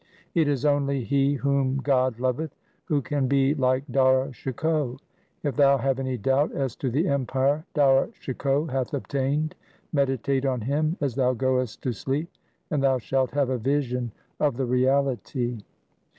It is only he whom God loveth who can be like Dara Shikoh. If thou have any doubt as to the empire Dara Shikoh hath obtained, meditate on him as thou goest to sleep, and thou shalt have a vision of the reality.'